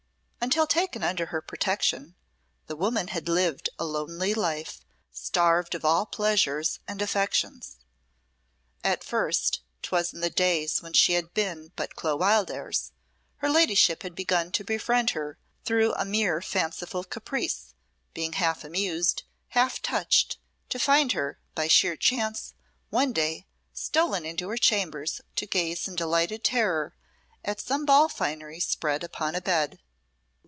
Until taken under her protection, the poor woman had lived a lonely life, starved of all pleasures and affections. At first 'twas in the days when she had been but Clo Wildairs her ladyship had begun to befriend her through a mere fanciful caprice, being half amused, half touched, to find her, by sheer chance, one day, stolen into her chambers to gaze in delighted terror at some ball finery spread upon a bed.